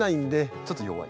ちょっと弱い？